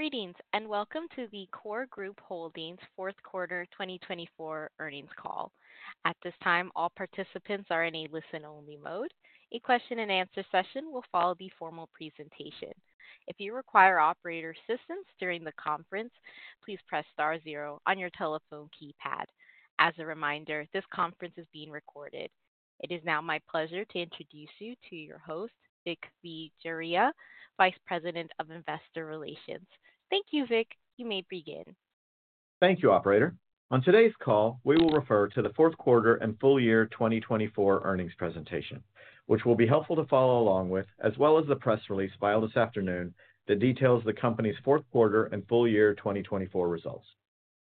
Greetings and welcome to the KORE Group Holdings Fourth Quarter 2024 Earnings Call. At this time, all participants are in a listen-only mode. A question-and-answer session will follow the formal presentation. If you require operator assistance during the conference, please press star zero on your telephone keypad. As a reminder, this conference is being recorded. It is now my pleasure to introduce you to your host, Vik Vijayvergiya, Vice President of Investor Relations. Thank you, Vik. You may begin. Thank you, Operator. On today's call, we will refer to the Fourth Quarter and Full Year 2024 Earnings Presentation, which will be helpful to follow along with, as well as the press release filed this afternoon that details the company's Fourth Quarter and Full Year 2024 results.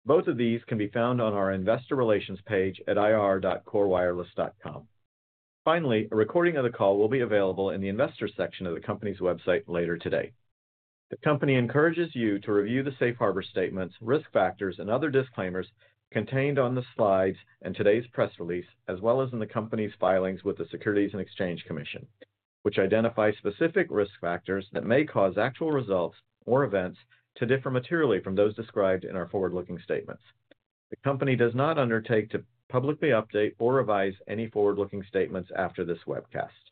Both of these can be found on our Investor Relations page at ir.korewireless.com. Finally, a recording of the call will be available in the Investor section of the company's website later today. The company encourages you to review the safe harbor statements, risk factors, and other disclaimers contained on the slides and today's press release, as well as in the company's filings with the Securities and Exchange Commission, which identify specific risk factors that may cause actual results or events to differ materially from those described in our forward-looking statements. The company does not undertake to publicly update or revise any forward-looking statements after this webcast.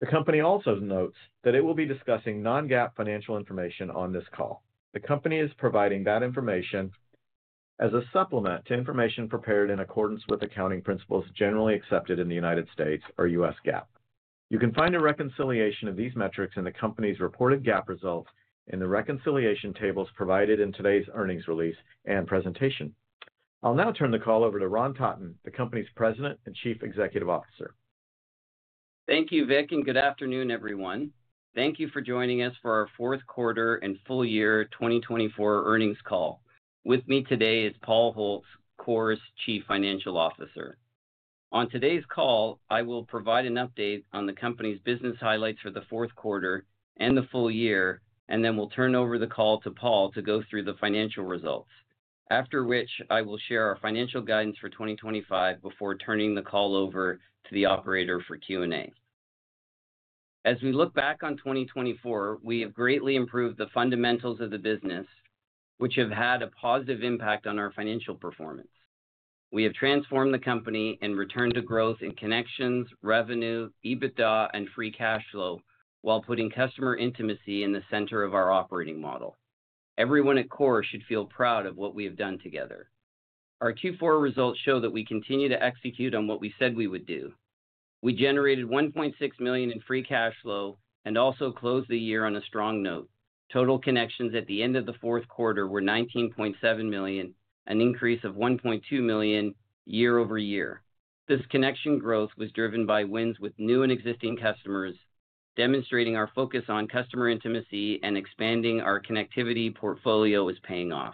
The company also notes that it will be discussing non-GAAP financial information on this call. The company is providing that information as a supplement to information prepared in accordance with accounting principles generally accepted in the United States or U.S. GAAP. You can find a reconciliation of these metrics in the company's reported GAAP results in the reconciliation tables provided in today's earnings release and presentation. I'll now turn the call over to Ron Totton, the company's President and Chief Executive Officer. Thank you, Vik, and good afternoon, everyone. Thank you for joining us for our Fourth Quarter and Full Year 2024 Earnings Call. With me today is Paul Holtz, KORE's Chief Financial Officer. On today's call, I will provide an update on the company's business highlights for the Fourth Quarter and the Full Year, and then we'll turn over the call to Paul to go through the financial results, after which I will share our financial guidance for 2025 before turning the call over to the Operator for Q&A. As we look back on 2024, we have greatly improved the fundamentals of the business, which have had a positive impact on our financial performance. We have transformed the company and returned to growth in connections, revenue, EBITDA, and free cash flow while putting customer intimacy in the center of our operating model. Everyone at KORE should feel proud of what we have done together. Our Q4 results show that we continue to execute on what we said we would do. We generated $1.6 million in free cash flow and also closed the year on a strong note. Total connections at the end of the fourth quarter were $19.7 million, an increase of $1.2 million year-over-year. This connection growth was driven by wins with new and existing customers, demonstrating our focus on customer intimacy and expanding our connectivity portfolio is paying off.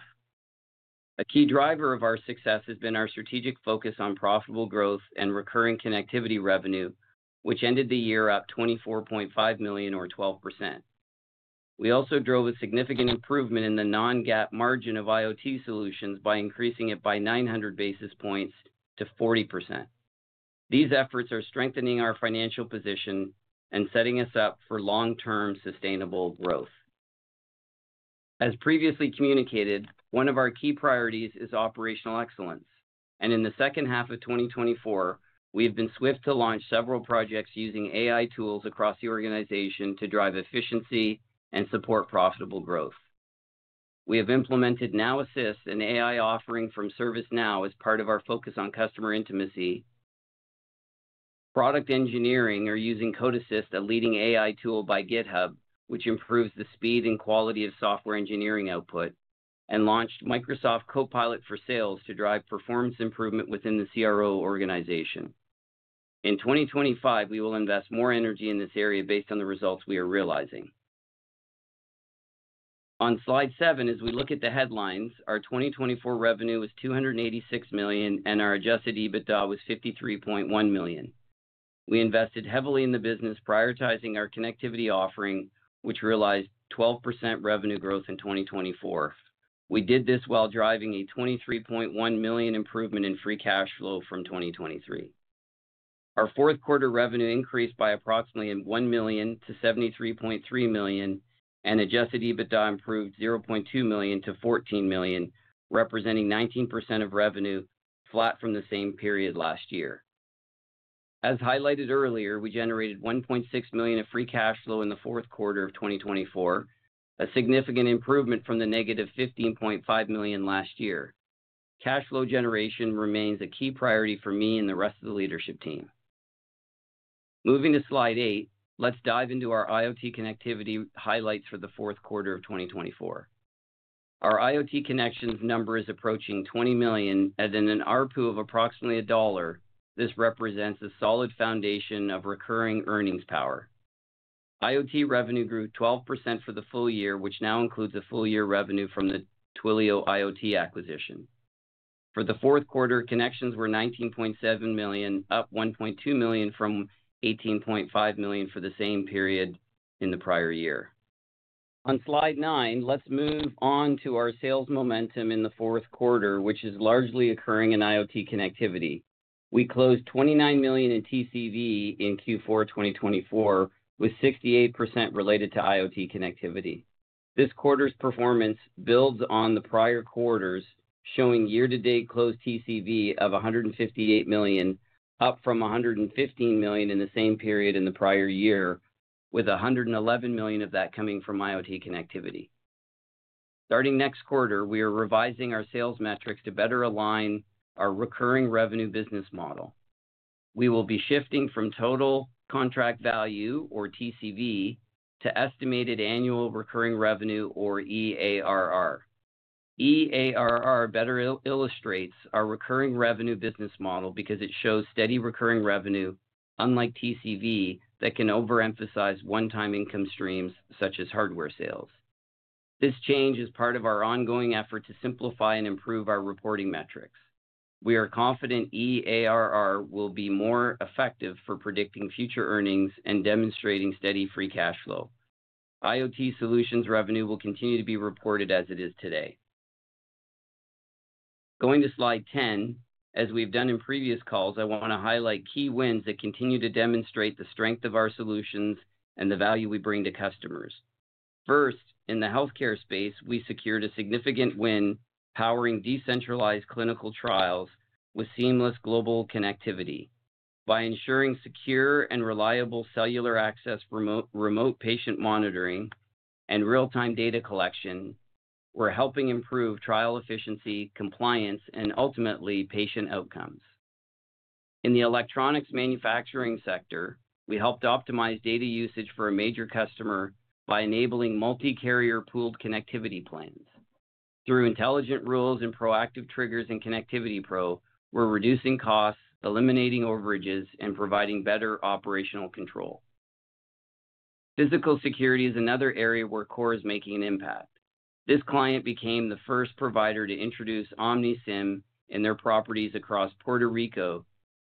A key driver of our success has been our strategic focus on profitable growth and recurring connectivity revenue, which ended the year at $24.5 million, or 12%. We also drove a significant improvement in the non-GAAP margin of IoT solutions by increasing it by 900 basis points to 40%. These efforts are strengthening our financial position and setting us up for long-term sustainable growth. As previously communicated, one of our key priorities is operational excellence, and in the second half of 2024, we have been swift to launch several projects using AI tools across the organization to drive efficiency and support profitable growth. We have implemented Now Assist, an AI offering from ServiceNow as part of our focus on customer intimacy. Product engineering is using CodeAssist, a leading AI tool by GitHub, which improves the speed and quality of software engineering output, and launched Microsoft Copilot for Sales to drive performance improvement within the CRO organization. In 2025, we will invest more energy in this area based on the results we are realizing. On slide seven, as we look at the headlines, our 2024 revenue was $286 million and our adjusted EBITDA was $53.1 million. We invested heavily in the business, prioritizing our connectivity offering, which realized 12% revenue growth in 2024. We did this while driving a $23.1 million improvement in free cash flow from 2023. Our fourth quarter revenue increased by approximately $1 million-$73.3 million, and adjusted EBITDA improved $0.2 million-$14 million, representing 19% of revenue, flat from the same period last year. As highlighted earlier, we generated $1.6 million of free cash flow in the fourth quarter of 2024, a significant improvement from the negative $15.5 million last year. Cash flow generation remains a key priority for me and the rest of the leadership team. Moving to slide eight, let's dive into our IoT connectivity highlights for the fourth quarter of 2024. Our IoT connections number is approaching 20 million, and in an ARPU of approximately $1, this represents a solid foundation of recurring earnings power. IoT revenue grew 12% for the full year, which now includes a full year revenue from the Twilio IoT acquisition. For the fourth quarter, connections were 19.7 million, up 1.2 million from 18.5 million for the same period in the prior year. On slide nine, let's move on to our sales momentum in the fourth quarter, which is largely occurring in IoT connectivity. We closed 29 million in TCV in Q4 2024, with 68% related to IoT connectivity. This quarter's performance builds on the prior quarters, showing year-to-date closed TCV of $158 million, up from $115 million in the same period in the prior year, with $111 million of that coming from IoT connectivity. Starting next quarter, we are revising our sales metrics to better align our recurring revenue business model. We will be shifting from Total Contract Value, or TCV, to Estimated Annual Recurring Revenue, or EARR. EARR better illustrates our recurring revenue business model because it shows steady recurring revenue, unlike TCV, that can overemphasize one-time income streams such as hardware sales. This change is part of our ongoing effort to simplify and improve our reporting metrics. We are confident EARR will be more effective for predicting future earnings and demonstrating steady free cash flow. IoT solutions revenue will continue to be reported as it is today. Going to slide ten, as we've done in previous calls, I want to highlight key wins that continue to demonstrate the strength of our solutions and the value we bring to customers. First, in the healthcare space, we secured a significant win powering decentralized clinical trials with seamless global connectivity. By ensuring secure and reliable cellular access, remote patient monitoring, and real-time data collection, we're helping improve trial efficiency, compliance, and ultimately patient outcomes. In the electronics manufacturing sector, we helped optimize data usage for a major customer by enabling multi-carrier pooled connectivity plans. Through intelligent rules and proactive triggers in Connectivity Pro, we're reducing costs, eliminating overages, and providing better operational control. Physical security is another area where KORE is making an impact. This client became the first provider to introduce OmniSIM in their properties across Puerto Rico,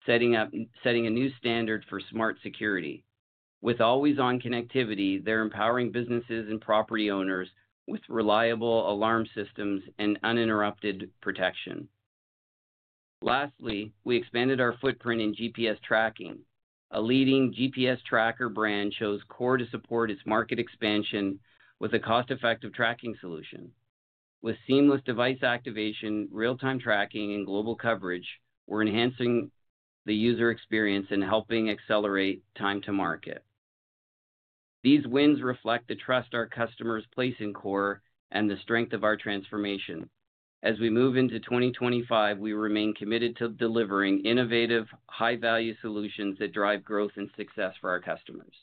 setting a new standard for smart security. With always-on connectivity, they're empowering businesses and property owners with reliable alarm systems and uninterrupted protection. Lastly, we expanded our footprint in GPS tracking. A leading GPS tracker brand chose KORE to support its market expansion with a cost-effective tracking solution. With seamless device activation, real-time tracking, and global coverage, we're enhancing the user experience and helping accelerate time to market. These wins reflect the trust our customers place in KORE and the strength of our transformation. As we move into 2025, we remain committed to delivering innovative, high-value solutions that drive growth and success for our customers.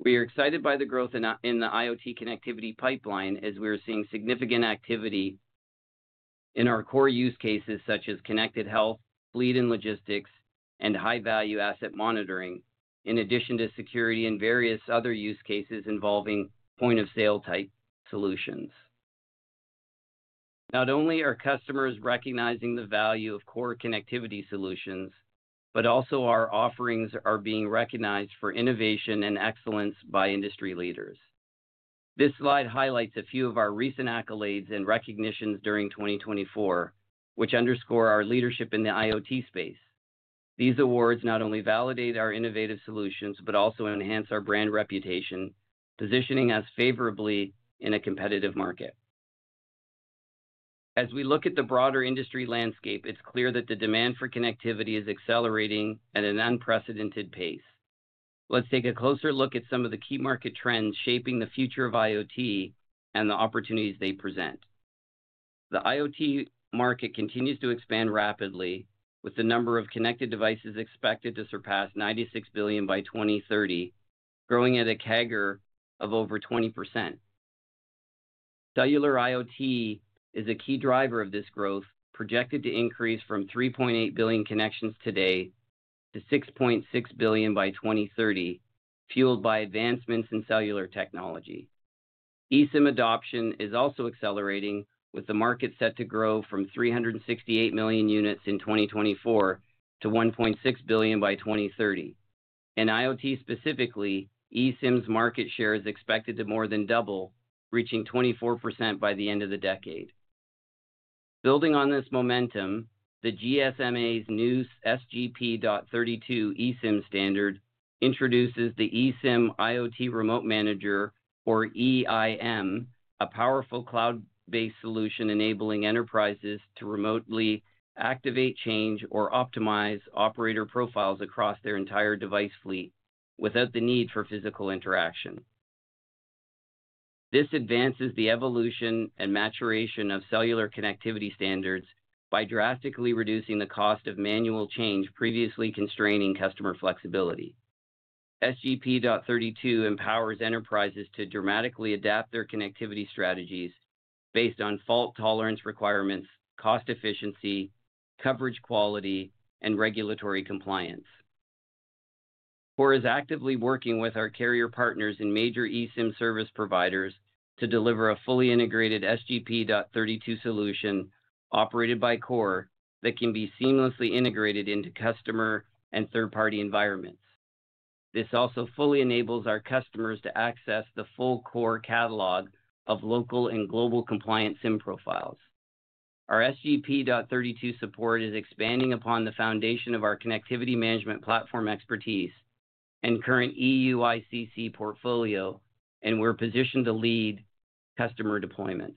We are excited by the growth in the IoT connectivity pipeline as we are seeing significant activity in our core use cases such as connected health, fleet and logistics, and high-value asset monitoring, in addition to security and various other use cases involving point-of-sale type solutions. Not only are customers recognizing the value of KORE connectivity solutions, but also our offerings are being recognized for innovation and excellence by industry leaders. This slide highlights a few of our recent accolades and recognitions during 2024, which underscore our leadership in the IoT space. These awards not only validate our innovative solutions, but also enhance our brand reputation, positioning us favorably in a competitive market. As we look at the broader industry landscape, it's clear that the demand for connectivity is accelerating at an unprecedented pace. Let's take a closer look at some of the key market trends shaping the future of IoT and the opportunities they present. The IoT market continues to expand rapidly, with the number of connected devices expected to surpass 96 billion by 2030, growing at a CAGR of over 20%. Cellular IoT is a key driver of this growth, projected to increase from 3.8 billion connections today to 6.6 billion by 2030, fueled by advancements in cellular technology. eSIM adoption is also accelerating, with the market set to grow from 368 million units in 2024 to 1.6 billion by 2030. In IoT specifically, eSIM's market share is expected to more than double, reaching 24% by the end of the decade. Building on this momentum, the GSMA's new SGP.32 eSIM standard introduces the eSIM IoT Remote Manager, or EIM, a powerful cloud-based solution enabling enterprises to remotely activate, change, or optimize operator profiles across their entire device fleet without the need for physical interaction. This advances the evolution and maturation of cellular connectivity standards by drastically reducing the cost of manual change previously constraining customer flexibility. SGP.32 empowers enterprises to dramatically adapt their connectivity strategies based on fault tolerance requirements, cost efficiency, coverage quality, and regulatory compliance. KORE is actively working with our carrier partners and major eSIM service providers to deliver a fully integrated SGP.32 solution operated by KORE that can be seamlessly integrated into customer and third-party environments. This also fully enables our customers to access the full KORE catalog of local and global compliant SIM profiles. Our SGP.32 support is expanding upon the foundation of our connectivity management platform expertise and current EUICC portfolio, and we're positioned to lead customer deployments.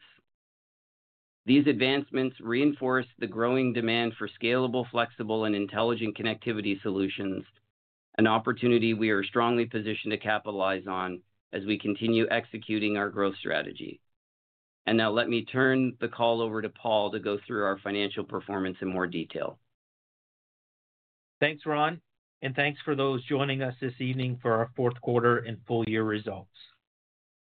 These advancements reinforce the growing demand for scalable, flexible, and intelligent connectivity solutions, an opportunity we are strongly positioned to capitalize on as we continue executing our growth strategy. Let me turn the call over to Paul to go through our financial performance in more detail. Thanks, Ron, and thanks for those joining us this evening for our fourth quarter and full year results.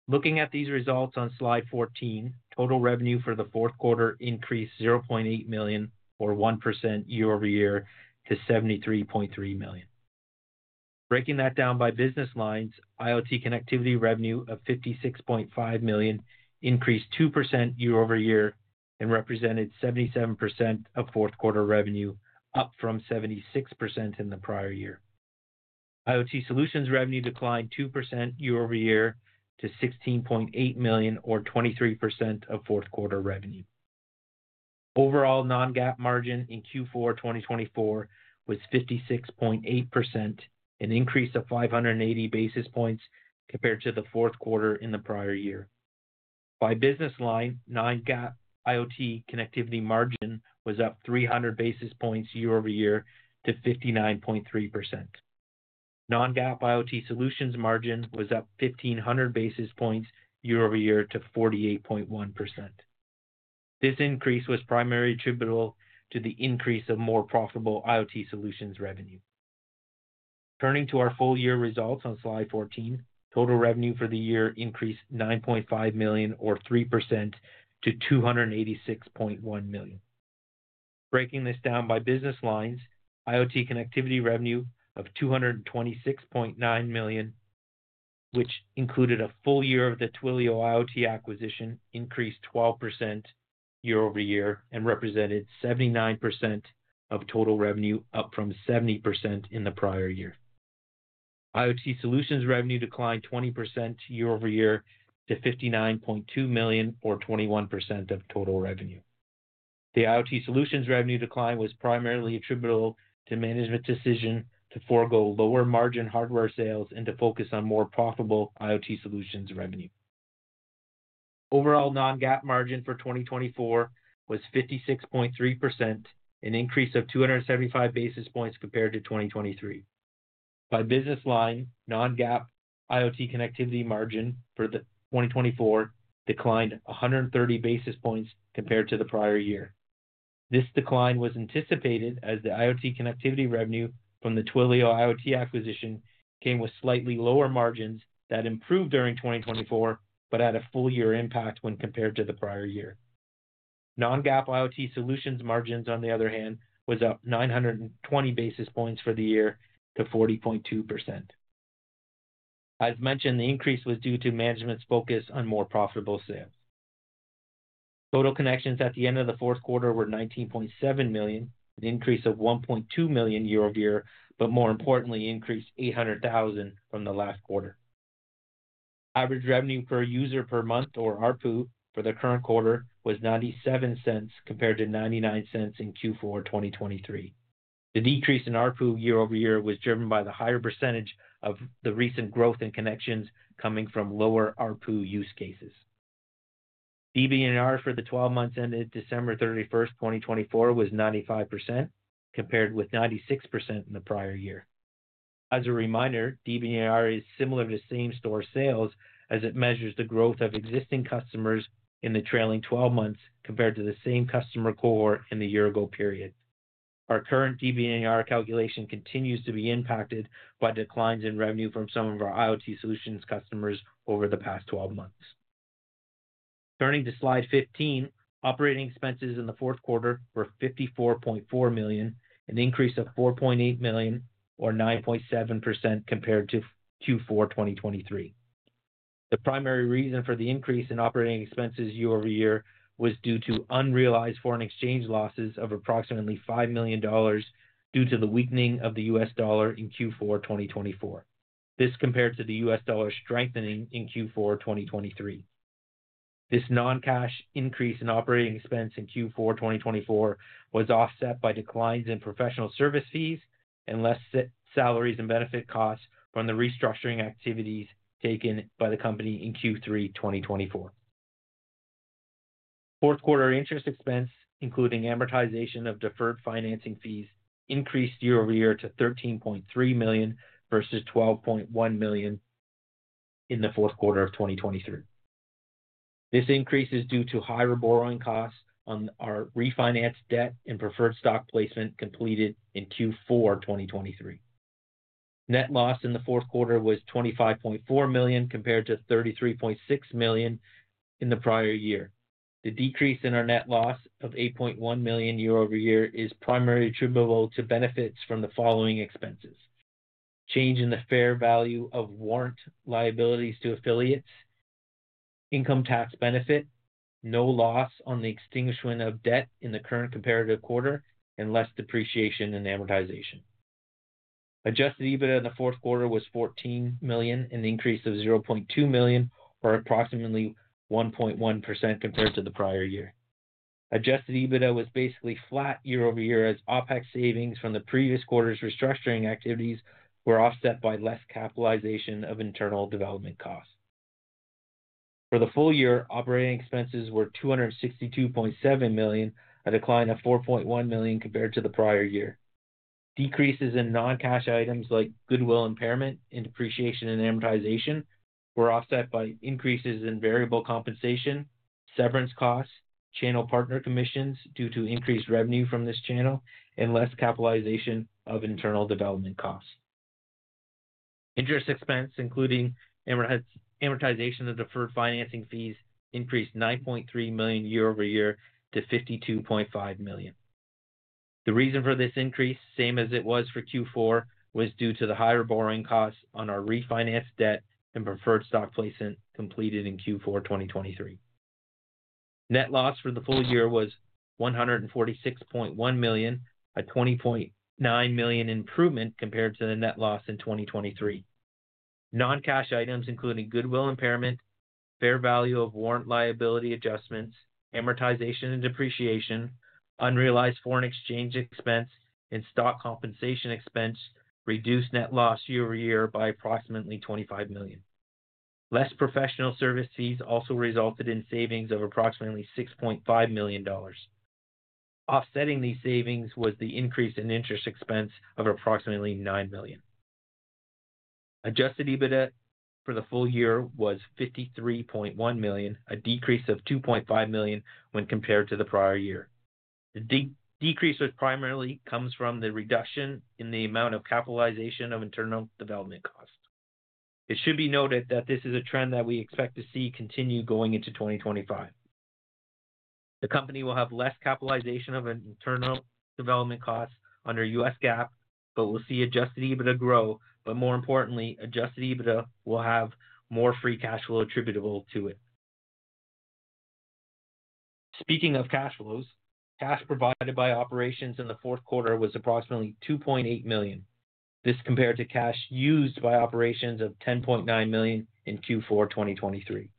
Looking at these results on slide 14, total revenue for the fourth quarter increased $0.8 million, or 1% year-over-year, to $73.3 million. Breaking that down by business lines, IoT connectivity revenue of $56.5 million increased 2% year-over-year and represented 77% of fourth quarter revenue, up from 76% in the prior year. IoT solutions revenue declined 2% year-over-year to $16.8 million, or 23% of fourth quarter revenue. Overall non-GAAP margin in Q4 2024 was 56.8%, an increase of 580 basis points compared to the fourth quarter in the prior year. By business line, non-GAAP IoT connectivity margin was up 300 basis points year-over-year to 59.3%. Non-GAAP IoT solutions margin was up 1,500 basis points year-over-year to 48.1%. This increase was primarily attributable to the increase of more profitable IoT solutions revenue. Turning to our full year results on slide 14, total revenue for the year increased $9.5 million, or 3%, to $286.1 million. Breaking this down by business lines, IoT connectivity revenue of $226.9 million, which included a full year of the Twilio IoT acquisition, increased 12% year-over-year and represented 79% of total revenue, up from 70% in the prior year. IoT solutions revenue declined 20% year-over-year to $59.2 million, or 21% of total revenue. The IoT solutions revenue decline was primarily attributable to management's decision to forgo lower margin hardware sales and to focus on more profitable IoT solutions revenue. Overall non-GAAP margin for 2024 was 56.3%, an increase of 275 basis points compared to 2023. By business line, non-GAAP IoT connectivity margin for 2024 declined 130 basis points compared to the prior year. This decline was anticipated as the IoT connectivity revenue from the Twilio IoT acquisition came with slightly lower margins that improved during 2024, but had a full year impact when compared to the prior year. Non-GAAP IoT solutions margins, on the other hand, were up 920 basis points for the year to 40.2%. As mentioned, the increase was due to management's focus on more profitable sales. Total connections at the end of the fourth quarter were 19.7 million, an increase of 1.2 million year-over-year, but more importantly, an increase of 800,000 from the last quarter. Average Revenue Per User per month, or ARPU, for the current quarter was $0.97 compared to $0.99 in Q4 2023. The decrease in ARPU year-over-year was driven by the higher percentage of the recent growth in connections coming from lower ARPU use cases. DBNR for the 12 months ended December 31, 2024, was 95%, compared with 96% in the prior year. As a reminder, DBNR is similar to same-store sales as it measures the growth of existing customers in the trailing 12 months compared to the same customer cohort in the year-ago period. Our current DBNR calculation continues to be impacted by declines in revenue from some of our IoT solutions customers over the past 12 months. Turning to slide 15, operating expenses in the fourth quarter were $54.4 million, an increase of $4.8 million, or 9.7% compared to Q4 2023. The primary reason for the increase in operating expenses year-over-year was due to unrealized foreign exchange losses of approximately $5 million due to the weakening of the U.S. dollar in Q4 2024. This compared to the U.S. dollar strengthening in Q4 2023. This non-cash increase in operating expense in Q4 2024 was offset by declines in professional service fees and less salaries and benefit costs from the restructuring activities taken by the company in Q3 2024. Fourth Quarter interest expense, including amortization of deferred financing fees, increased year-over-year to $13.3 million versus $12.1 million in the Fourth Quarter of 2023. This increase is due to higher borrowing costs on our refinanced debt and preferred stock placement completed in Q4 2023. Net loss in the Fourth Quarter was $25.4 million compared to $33.6 million in the prior year. The decrease in our net loss of $8.1 million year-over-year is primarily attributable to benefits from the following expenses: change in the fair value of warrant liabilities to affiliates, income tax benefit, no loss on the extinguishment of debt in the current comparative quarter, and less depreciation and amortization. Adjusted EBITDA in the Fourth Quarter was $14 million, an increase of $0.2 million, or approximately 1.1% compared to the prior year. Adjusted EBITDA was basically flat year-over-year as OpEx savings from the previous quarter's restructuring activities were offset by less capitalization of internal development costs. For the full year, operating expenses were $262.7 million, a decline of $4.1 million compared to the prior year. Decreases in non-cash items like goodwill impairment and depreciation and amortization were offset by increases in variable compensation, severance costs, channel partner commissions due to increased revenue from this channel, and less capitalization of internal development costs. Interest expense, including amortization of deferred financing fees, increased $9.3 million year-over-year to $52.5 million. The reason for this increase, same as it was for Q4, was due to the higher borrowing costs on our refinanced debt and preferred stock placement completed in Q4 2023. Net loss for the full year was $146.1 million, a $20.9 million improvement compared to the net loss in 2023. Non-cash items, including goodwill impairment, fair value of warrant liability adjustments, amortization and depreciation, unrealized foreign exchange expense, and stock compensation expense, reduced net loss year-over-year by approximately $25 million. Less professional service fees also resulted in savings of approximately $6.5 million. Offsetting these savings was the increase in interest expense of approximately $9 million. Adjusted EBITDA for the full year was $53.1 million, a decrease of $2.5 million when compared to the prior year. The decrease primarily comes from the reduction in the amount of capitalization of internal development costs. It should be noted that this is a trend that we expect to see continue going into 2025. The company will have less capitalization of internal development costs under U.S. GAAP, but we'll see adjusted EBITDA grow. More importantly, adjusted EBITDA will have more free cash flow attributable to it. Speaking of cash flows, cash provided by operations in the fourth quarter was approximately $2.8 million. This compared to cash used by operations of $10.9 million in Q4 2023.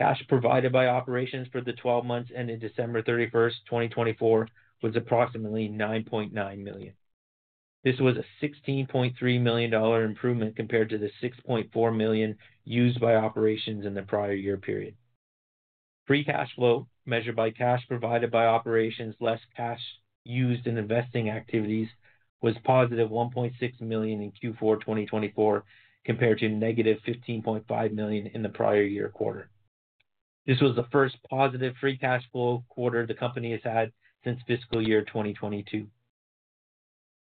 Cash provided by operations for the 12 months ended December 31, 2024, was approximately $9.9 million. This was a $16.3 million improvement compared to the $6.4 million used by operations in the prior year period. Free cash flow measured by cash provided by operations, less cash used in investing activities, was positive $1.6 million in Q4 2024 compared to negative $15.5 million in the prior year quarter. This was the first positive free cash flow quarter the company has had since fiscal year 2022.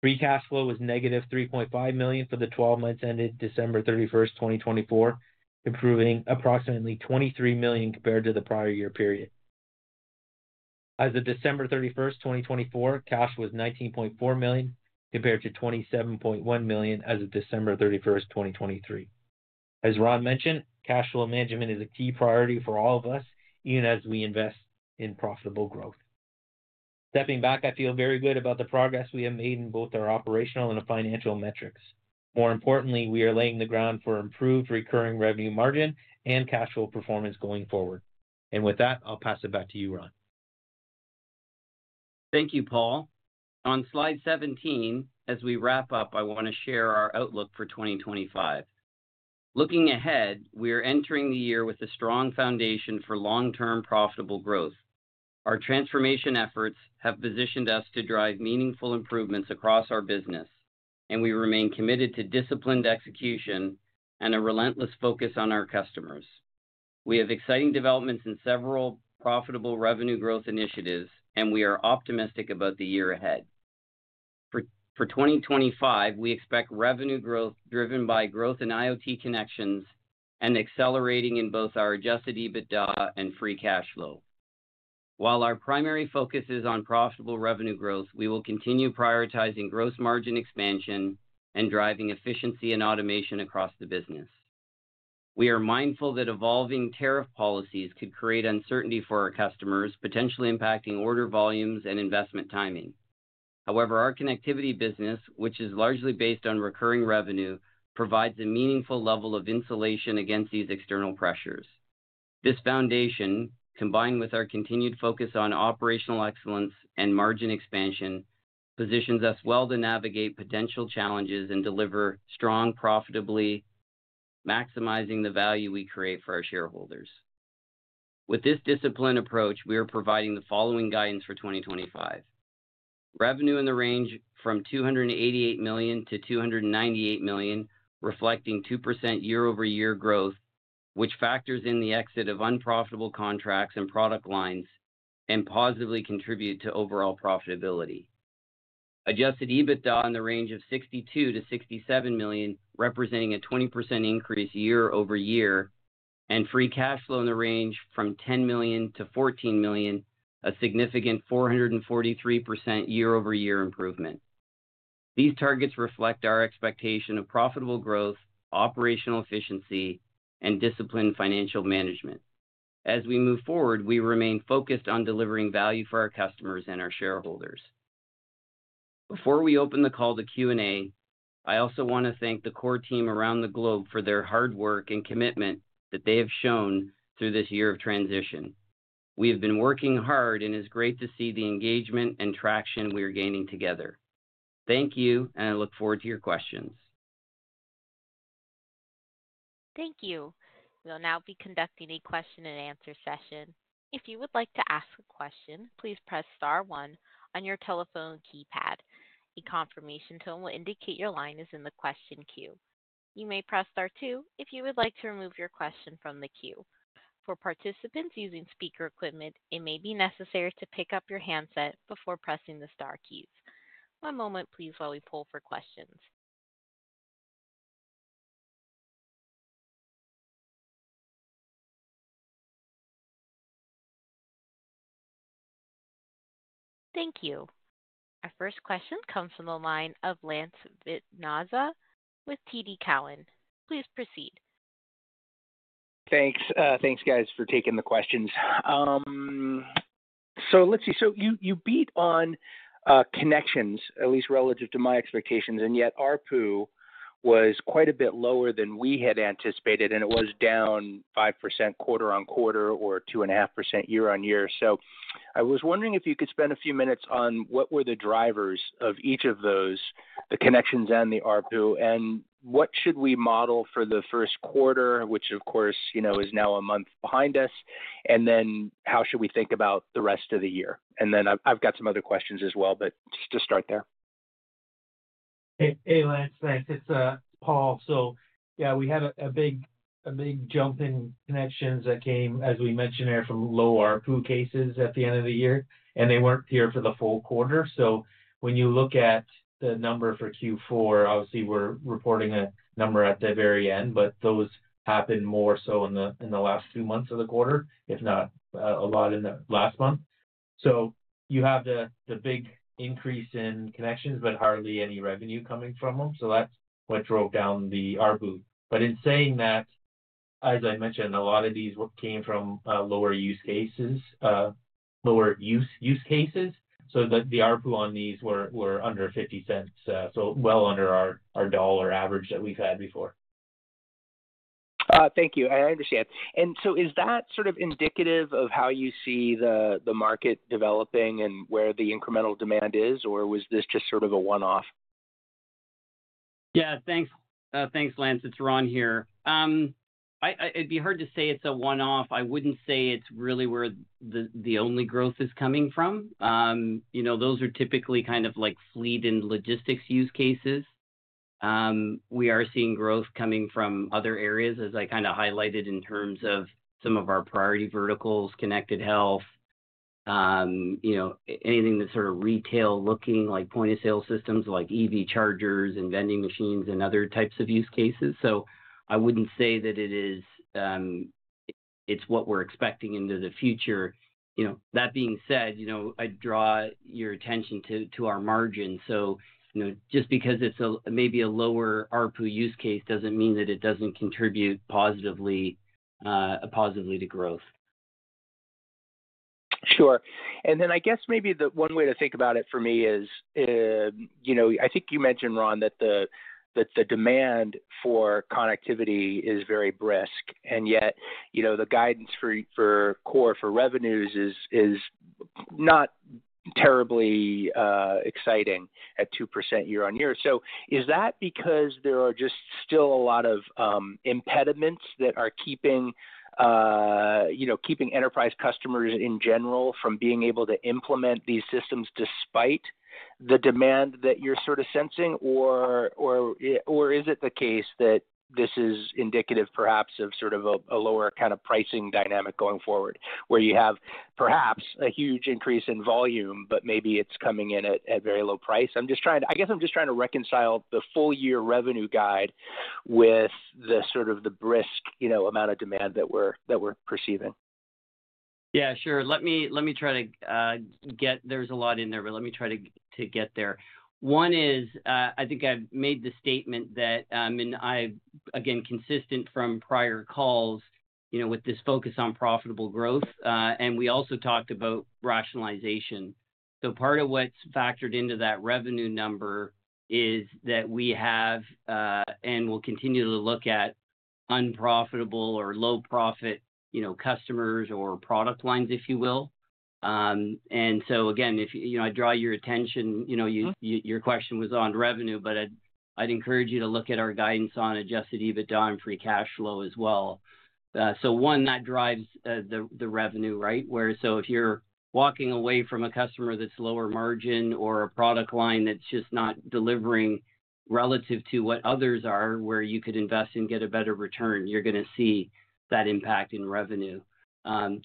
Free cash flow was negative $3.5 million for the 12 months ended December 31, 2024, improving approximately $23 million compared to the prior year period. As of December 31, 2024, cash was $19.4 million compared to $27.1 million as of December 31, 2023. As Ron mentioned, cash flow management is a key priority for all of us, even as we invest in profitable growth. Stepping back, I feel very good about the progress we have made in both our operational and financial metrics. More importantly, we are laying the ground for improved recurring revenue margin and cash flow performance going forward. With that, I'll pass it back to you, Ron. Thank you, Paul. On slide 17, as we wrap up, I want to share our outlook for 2025. Looking ahead, we are entering the year with a strong foundation for long-term profitable growth. Our transformation efforts have positioned us to drive meaningful improvements across our business, and we remain committed to disciplined execution and a relentless focus on our customers. We have exciting developments in several profitable revenue growth initiatives, and we are optimistic about the year ahead. For 2025, we expect revenue growth driven by growth in IoT connections and accelerating in both our adjusted EBITDA and free cash flow. While our primary focus is on profitable revenue growth, we will continue prioritizing gross margin expansion and driving efficiency and automation across the business. We are mindful that evolving tariff policies could create uncertainty for our customers, potentially impacting order volumes and investment timing. However, our connectivity business, which is largely based on recurring revenue, provides a meaningful level of insulation against these external pressures. This foundation, combined with our continued focus on operational excellence and margin expansion, positions us well to navigate potential challenges and deliver strong profitably, maximizing the value we create for our shareholders. With this disciplined approach, we are providing the following guidance for 2025: revenue in the range from $288 million-$298 million, reflecting 2% year-over-year growth, which factors in the exit of unprofitable contracts and product lines and positively contributes to overall profitability. Adjusted EBITDA in the range of $62 million-$67 million, representing a 20% increase year-over-year, and free cash flow in the range from $10 million-$14 million, a significant 443% year-over-year improvement. These targets reflect our expectation of profitable growth, operational efficiency, and disciplined financial management. As we move forward, we remain focused on delivering value for our customers and our shareholders. Before we open the call to Q&A, I also want to thank the KORE team around the globe for their hard work and commitment that they have shown through this year of transition. We have been working hard, and it's great to see the engagement and traction we are gaining together. Thank you, and I look forward to your questions. Thank you. We'll now be conducting a question-and-answer session. If you would like to ask a question, please press Star one on your telephone keypad. A confirmation tone will indicate your line is in the question queue. You may press Star two if you would like to remove your question from the queue. For participants using speaker equipment, it may be necessary to pick up your handset before pressing the star keys. One moment, please, while we pull for questions. Thank you. Our first question comes from the line of Lance Vitanza with TD Cowen. Please proceed. Thanks. Thanks, guys, for taking the questions. Let's see. You beat on connections, at least relative to my expectations, and yet ARPU was quite a bit lower than we had anticipated, and it was down 5% quarter on quarter or 2.5% year-on-year. I was wondering if you could spend a few minutes on what were the drivers of each of those, the connections and the ARPU, and what should we model for the first quarter, which, of course, is now a month behind us, and then how should we think about the rest of the year? I have some other questions as well, but just to start there. Hey, Lance. Thanks. It's Paul. We had a big jump in connections that came, as we mentioned there, from low ARPU cases at the end of the year, and they were not here for the full quarter. When you look at the number for Q4, obviously, we're reporting a number at the very end, but those happened more so in the last few months of the quarter, if not a lot in the last month. You have the big increase in connections, but hardly any revenue coming from them. That is what drove down the ARPU. In saying that, as I mentioned, a lot of these came from lower use cases, lower use cases, so that the ARPU on these were under $0.50, so well under our dollar average that we've had before. Thank you. I understand. Is that sort of indicative of how you see the market developing and where the incremental demand is, or was this just sort of a one-off? Yeah. Thanks, Lance. It's Ron here. It'd be hard to say it's a one-off. I wouldn't say it's really where the only growth is coming from. Those are typically kind of like fleet and logistics use cases. We are seeing growth coming from other areas, as I kind of highlighted in terms of some of our priority verticals, connected health, anything that's sort of retail-looking, like point-of-sale systems, like EV chargers and vending machines and other types of use cases. I wouldn't say that it's what we're expecting into the future. That being said, I'd draw your attention to our margin. Just because it's maybe a lower ARPU use case doesn't mean that it doesn't contribute positively to growth. Sure. I guess maybe one way to think about it for me is I think you mentioned, Ron, that the demand for connectivity is very brisk, and yet the guidance for KORE for revenues is not terribly exciting at 2% year-on-year. Is that because there are just still a lot of impediments that are keeping enterprise customers in general from being able to implement these systems despite the demand that you're sort of sensing, or is it the case that this is indicative perhaps of sort of a lower kind of pricing dynamic going forward, where you have perhaps a huge increase in volume, but maybe it's coming in at a very low price? I guess I'm just trying to reconcile the full-year revenue guide with sort of the brisk amount of demand that we're perceiving. Yeah, sure. Let me try to get—there's a lot in there, but let me try to get there. One is I think I've made the statement that I'm, again, consistent from prior calls with this focus on profitable growth, and we also talked about rationalization. Part of what's factored into that revenue number is that we have and will continue to look at unprofitable or low-profit customers or product lines, if you will. Again, if I draw your attention, your question was on revenue, but I'd encourage you to look at our guidance on adjusted EBITDA and free cash flow as well. One, that drives the revenue, right? If you're walking away from a customer that's lower margin or a product line that's just not delivering relative to what others are, where you could invest and get a better return, you're going to see that impact in revenue.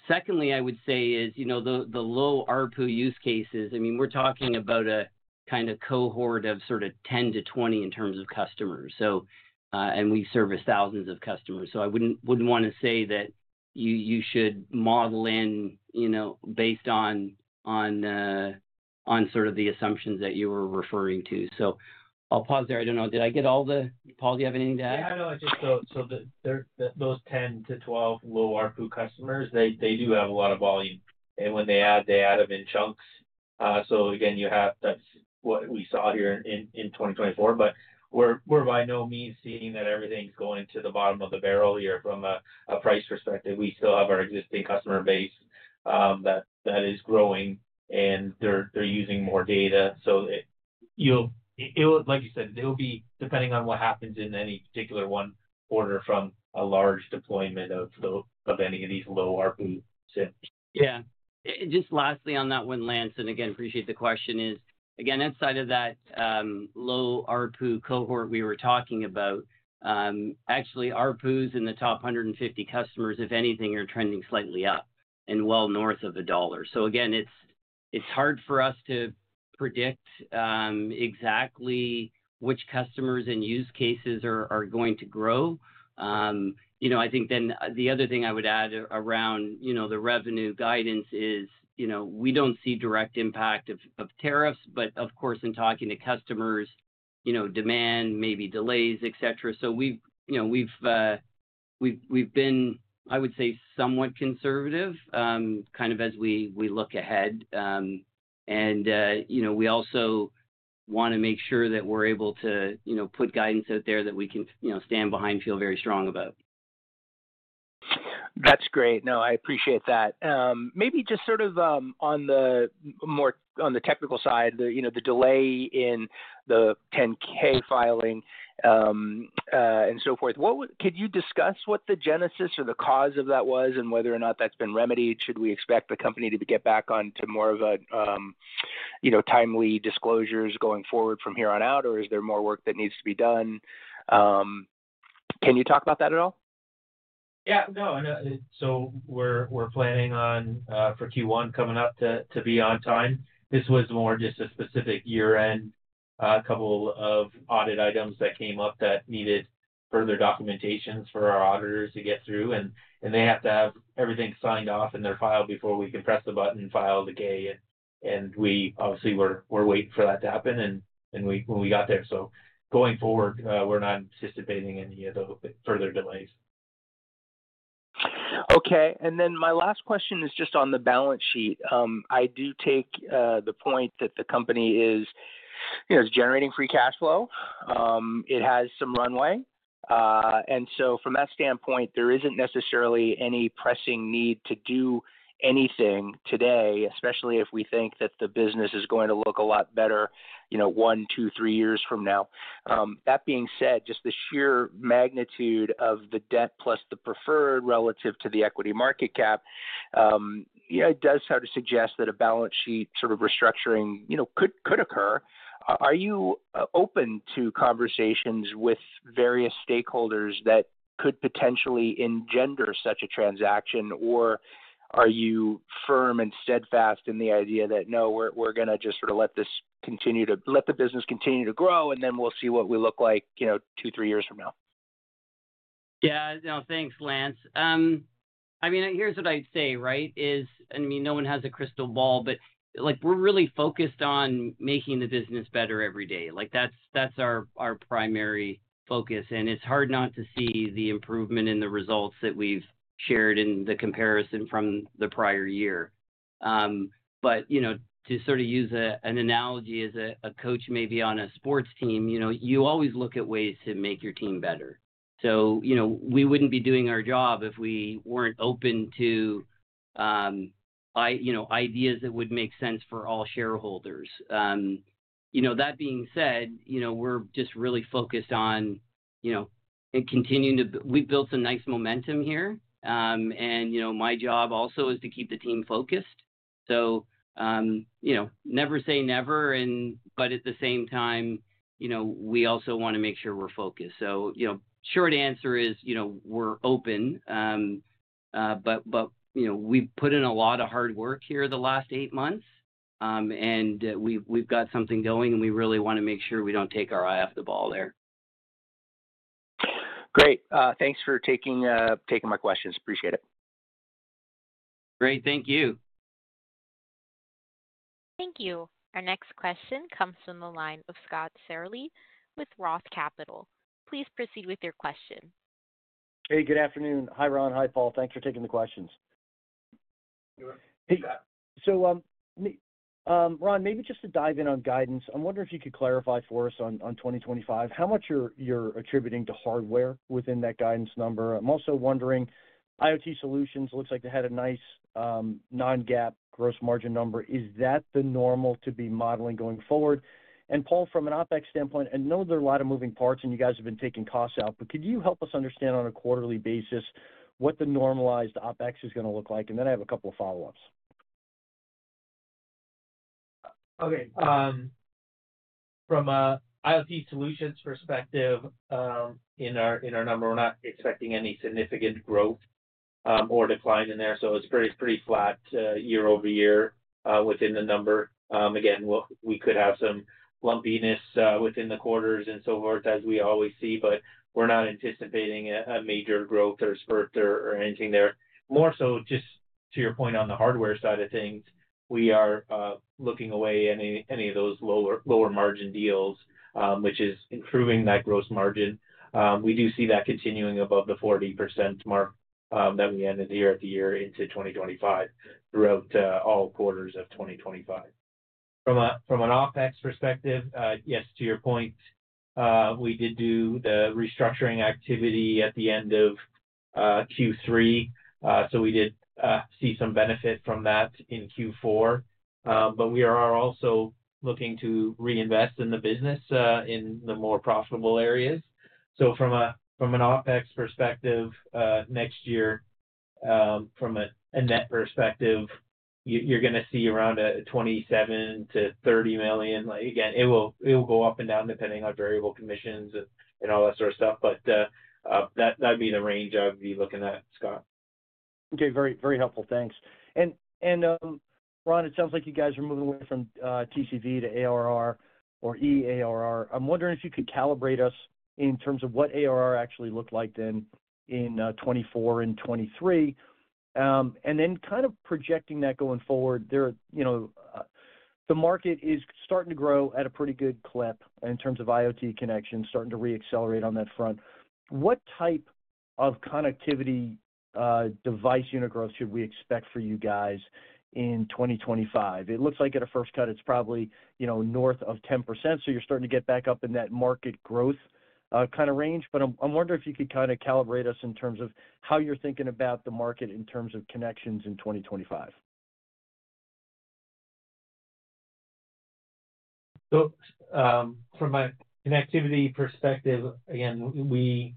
Secondly, I would say is the low ARPU use cases. I mean, we're talking about a kind of cohort of sort of 10-20 in terms of customers, and we service thousands of customers. I wouldn't want to say that you should model in based on sort of the assumptions that you were referring to. I'll pause there. I don't know. Did I get all the—Paul, do you have anything to add? Yeah, no, just so those 10-12 low ARPU customers, they do have a lot of volume, and when they add, they add them in chunks. Again, you have—that's what we saw here in 2024. We are by no means seeing that everything's going to the bottom of the barrel here from a price perspective. We still have our existing customer base that is growing, and they're using more data. Like you said, it'll be depending on what happens in any particular one quarter from a large deployment of any of these low ARPU. Just lastly on that one, Lance, and again, appreciate the question, is again, outside of that low ARPU cohort we were talking about, actually, ARPUs in the top 150 customers, if anything, are trending slightly up and well north of a dollar. Again, it's hard for us to predict exactly which customers and use cases are going to grow. I think then the other thing I would add around the revenue guidance is we don't see direct impact of tariffs, but of course, in talking to customers, demand, maybe delays, etc. We have been, I would say, somewhat conservative kind of as we look ahead. We also want to make sure that we're able to put guidance out there that we can stand behind, feel very strong about. That's great. No, I appreciate that. Maybe just sort of more on the technical side, the delay in the 10-K filing and so forth, could you discuss what the genesis or the cause of that was and whether or not that's been remedied? Should we expect the company to get back onto more of timely disclosures going forward from here on out, or is there more work that needs to be done? Can you talk about that at all? Yeah. No, so we're planning on, for Q1 coming up, to be on time. This was more just a specific year-end, a couple of audit items that came up that needed further documentation for our auditors to get through, and they have to have everything signed off in their file before we can press the button, file the K, and we obviously were waiting for that to happen when we got there. Going forward, we're not anticipating any further delays. Okay. My last question is just on the balance sheet. I do take the point that the company is generating free cash flow. It has some runway. From that standpoint, there isn't necessarily any pressing need to do anything today, especially if we think that the business is going to look a lot better one, two, three years from now. That being said, just the sheer magnitude of the debt plus the preferred relative to the equity market cap, it does sort of suggest that a balance sheet sort of restructuring could occur. Are you open to conversations with various stakeholders that could potentially engender such a transaction, or are you firm and steadfast in the idea that, "No, we're going to just sort of let this continue to let the business continue to grow, and then we'll see what we look like two, three years from now"? Yeah. No, thanks, Lance. I mean, here's what I'd say, right? I mean, no one has a crystal ball, but we're really focused on making the business better every day. That's our primary focus, and it's hard not to see the improvement in the results that we've shared in the comparison from the prior year. To sort of use an analogy as a coach maybe on a sports team, you always look at ways to make your team better. We wouldn't be doing our job if we weren't open to ideas that would make sense for all shareholders. That being said, we're just really focused on continuing to—we've built some nice momentum here, and my job also is to keep the team focused. Never say never, but at the same time, we also want to make sure we're focused. Short answer is we're open, but we've put in a lot of hard work here the last eight months, and we've got something going, and we really want to make sure we don't take our eye off the ball there. Great. Thanks for taking my questions. Appreciate it. Great. Thank you. Thank you. Our next question comes from the line of Scott Sarley with Roth Capital. Please proceed with your question. Hey, good afternoon. Hi, Ron. Hi, Paul. Thanks for taking the questions. Ron, maybe just to dive in on guidance, I'm wondering if you could clarify for us on 2025, how much you're attributing to hardware within that guidance number? I'm also wondering, IoT Solutions looks like they had a nice non-GAAP gross margin number. Is that the normal to be modeling going forward? Paul, from an OpEx standpoint, I know there are a lot of moving parts, and you guys have been taking costs out, but could you help us understand on a quarterly basis what the normalized OpEx is going to look like? I have a couple of follow-ups. From an IoT solutions perspective, in our number, we're not expecting any significant growth or decline in there. It is pretty flat year-over-year within the number. We could have some lumpiness within the quarters and so forth, as we always see, but we're not anticipating a major growth or spurt or anything there. More so, just to your point on the hardware side of things, we are looking away at any of those lower margin deals, which is improving that gross margin. We do see that continuing above the 40% mark that we ended here at the year into 2025 throughout all quarters of 2025. From an OpEx perspective, yes, to your point, we did do the restructuring activity at the end of Q3. We did see some benefit from that in Q4. We are also looking to reinvest in the business in the more profitable areas. From an OpEx perspective, next year, from a net perspective, you're going to see around $27 million-$30 million. It will go up and down depending on variable commissions and all that sort of stuff. That'd be the range I would be looking at, Scott. Okay. Very helpful. Thanks. Ron, it sounds like you guys are moving away from TCV to ARR or EARR. I'm wondering if you could calibrate us in terms of what ARR actually looked like then in 2024 and 2023. And then kind of projecting that going forward, the market is starting to grow at a pretty good clip in terms of IoT connections, starting to reaccelerate on that front. What type of connectivity device unit growth should we expect for you guys in 2025? It looks like at a first cut, it's probably north of 10%. So you're starting to get back up in that market growth kind of range. But I'm wondering if you could kind of calibrate us in terms of how you're thinking about the market in terms of connections in 2025. From a connectivity perspective, again, we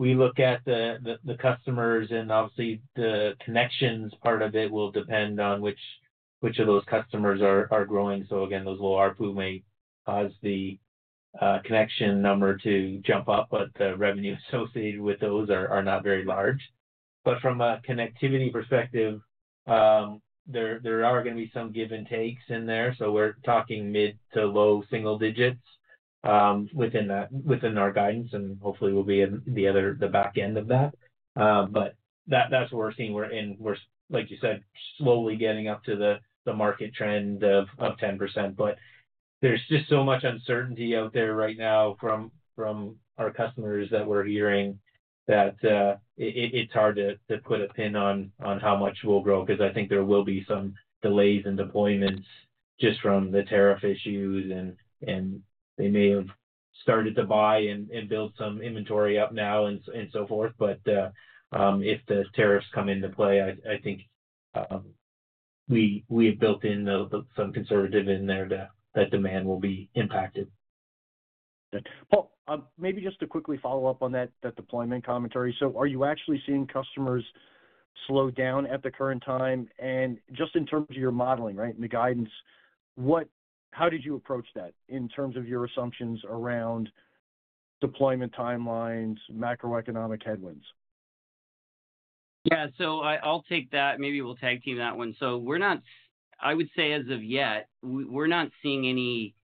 look at the customers, and obviously, the connections part of it will depend on which of those customers are growing. Again, those low ARPU may cause the connection number to jump up, but the revenue associated with those are not very large. From a connectivity perspective, there are going to be some give and takes in there. We're talking mid to low single digits within our guidance, and hopefully, we'll be in the back end of that. That's what we're seeing. Like you said, slowly getting up to the market trend of 10%. There's just so much uncertainty out there right now from our customers that we're hearing that it's hard to put a pin on how much we'll grow because I think there will be some delays in deployments just from the tariff issues, and they may have started to buy and build some inventory up now and so forth. If the tariffs come into play, I think we have built in some conservative in there that demand will be impacted. Paul, maybe just to quickly follow up on that deployment commentary. Are you actually seeing customers slow down at the current time? And just in terms of your modeling, right, and the guidance, how did you approach that in terms of your assumptions around deployment timelines, macroeconomic headwinds? Yeah. I'll take that. Maybe we'll tag team that one. I would say as of yet, we're not seeing any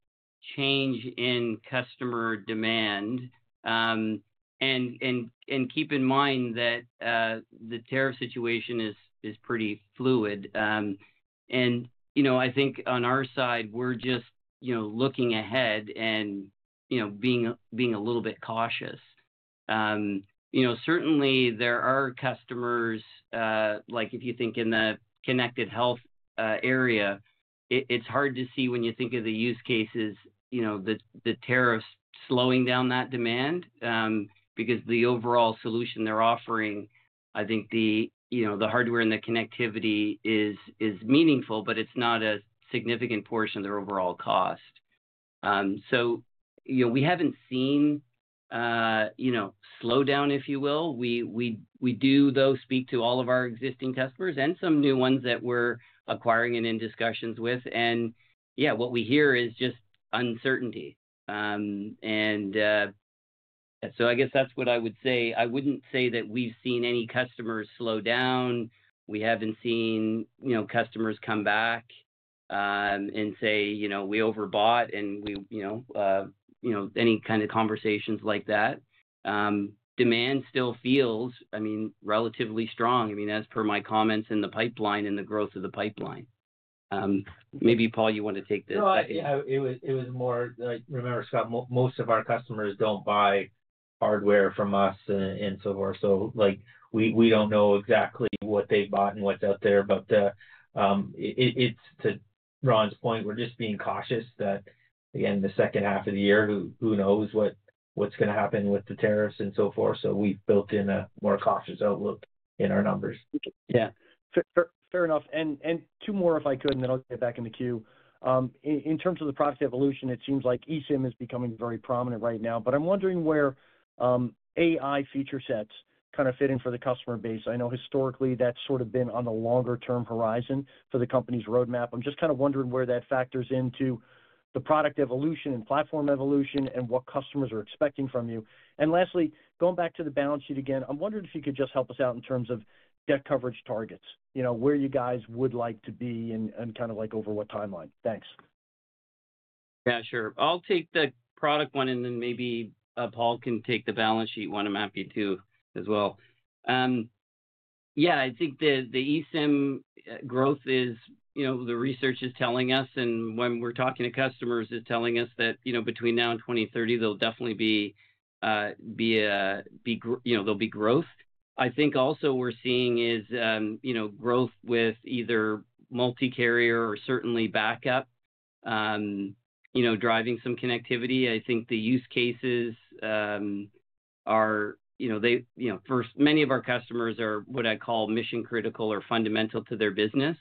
change in customer demand. Keep in mind that the tariff situation is pretty fluid. I think on our side, we're just looking ahead and being a little bit cautious. Certainly, there are customers, like if you think in the connected health area, it's hard to see when you think of the use cases, the tariffs slowing down that demand because the overall solution they're offering, I think the hardware and the connectivity is meaningful, but it's not a significant portion of their overall cost. We haven't seen slowdown, if you will. We do, though, speak to all of our existing customers and some new ones that we're acquiring and in discussions with. Yeah, what we hear is just uncertainty. I guess that's what I would say. I wouldn't say that we've seen any customers slow down. We haven't seen customers come back and say, "We overbought," and any kind of conversations like that. Demand still feels, I mean, relatively strong. I mean, as per my comments in the pipeline and the growth of the pipeline. Maybe, Paul, you want to take this. No, it was more like, remember, Scott, most of our customers do not buy hardware from us and so forth. We do not know exactly what they have bought and what is out there. To Ron's point, we are just being cautious that, again, the second half of the year, who knows what is going to happen with the tariffs and so forth. We have built in a more cautious outlook in our numbers. Yeah. Fair enough. Two more, if I could, and then I will get back in the queue. In terms of the product evolution, it seems like eSIM is becoming very prominent right now. I am wondering where AI feature sets kind of fit in for the customer base. I know historically that has sort of been on the longer-term horizon for the company's roadmap. I'm just kind of wondering where that factors into the product evolution and platform evolution and what customers are expecting from you. Lastly, going back to the balance sheet again, I'm wondering if you could just help us out in terms of debt coverage targets, where you guys would like to be and kind of over what timeline. Thanks. Yeah, sure. I'll take the product one, and then maybe Paul can take the balance sheet one and map you too as well. I think the eSIM growth is the research is telling us, and when we're talking to customers, it's telling us that between now and 2030, there will definitely be growth. I think also what we're seeing is growth with either multi-carrier or certainly backup driving some connectivity. I think the use cases are for many of our customers are what I call mission-critical or fundamental to their business.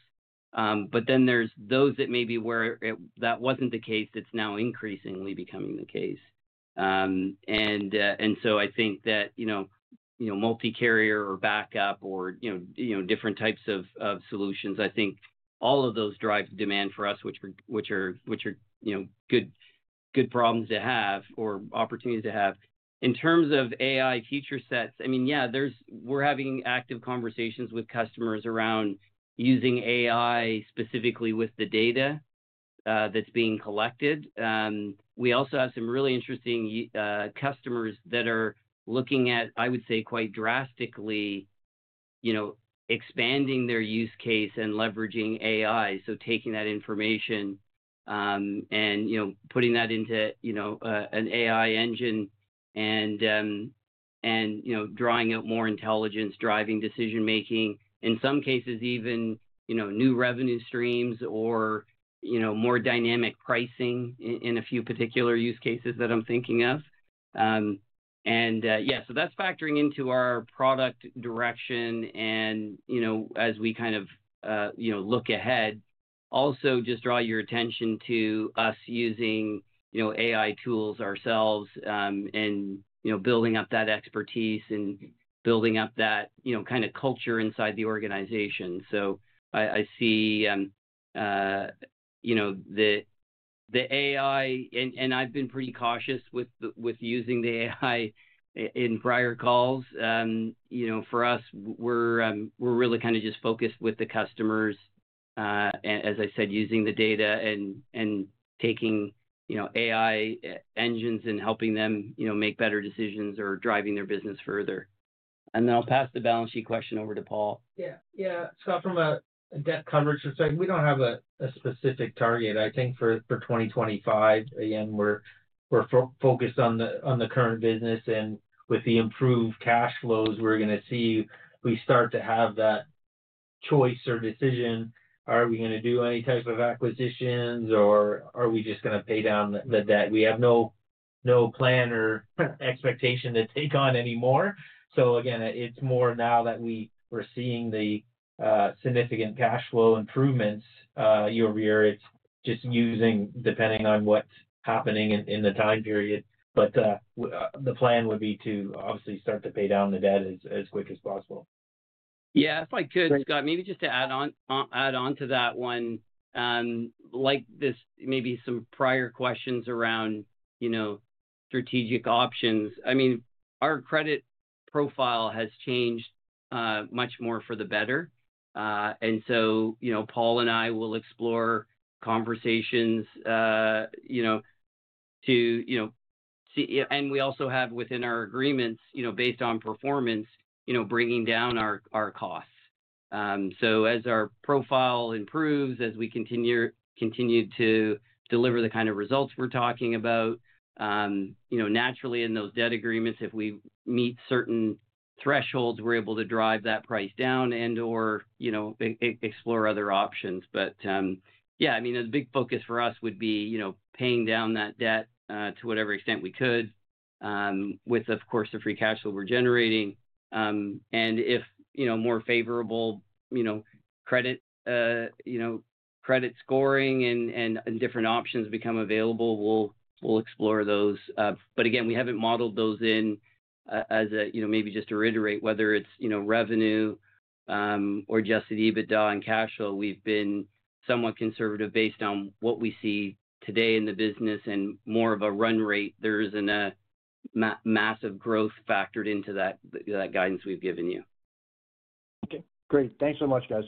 There are those that maybe where that was not the case, it is now increasingly becoming the case. I think that multi-carrier or backup or different types of solutions, all of those drive demand for us, which are good problems to have or opportunities to have. In terms of AI feature sets, I mean, yeah, we are having active conversations with customers around using AI specifically with the data that is being collected. We also have some really interesting customers that are looking at, I would say, quite drastically expanding their use case and leveraging AI. Taking that information and putting that into an AI engine and drawing out more intelligence, driving decision-making, in some cases, even new revenue streams or more dynamic pricing in a few particular use cases that I am thinking of. That is factoring into our product direction. As we kind of look ahead, also just draw your attention to us using AI tools ourselves and building up that expertise and building up that kind of culture inside the organization. I see the AI, and I've been pretty cautious with using the AI in prior calls. For us, we're really kind of just focused with the customers, as I said, using the data and taking AI engines and helping them make better decisions or driving their business further. I'll pass the balance sheet question over to Paul. Yeah. Scott, from a debt coverage perspective, we don't have a specific target. I think for 2025, again, we're focused on the current business. With the improved cash flows, we're going to see we start to have that choice or decision. Are we going to do any type of acquisitions, or are we just going to pay down the debt? We have no plan or expectation to take on any more. It is more now that we are seeing the significant cash flow improvements year-over-year. It is just using depending on what is happening in the time period. The plan would be to obviously start to pay down the debt as quick as possible. Yeah. If I could, Scott, maybe just to add on to that one, like maybe some prior questions around strategic options. I mean, our credit profile has changed much more for the better. Paul and I will explore conversations to see. We also have within our agreements, based on performance, bringing down our costs. As our profile improves, as we continue to deliver the kind of results we're talking about, naturally in those debt agreements, if we meet certain thresholds, we're able to drive that price down and/or explore other options. Yeah, I mean, the big focus for us would be paying down that debt to whatever extent we could with, of course, the free cash flow we're generating. If more favorable credit scoring and different options become available, we'll explore those. Again, we haven't modeled those in as a maybe just to reiterate whether it's revenue or just EBITDA and cash flow, we've been somewhat conservative based on what we see today in the business and more of a run rate. There isn't a massive growth factored into that guidance we've given you. Okay. Great. Thanks so much, guys.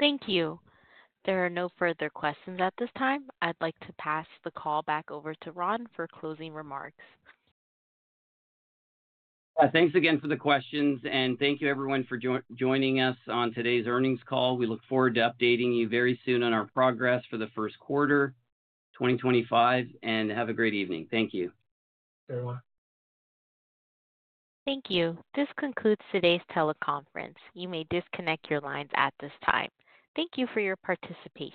Thank you. There are no further questions at this time. I'd like to pass the call back over to Ron for closing remarks. Thanks again for the questions. Thank you, everyone, for joining us on today's earnings call. We look forward to updating you very soon on our progress for the first quarter, 2025. Have a great evening. Thank you. This concludes today's teleconference. You may disconnect your lines at this time. Thank you for your participation.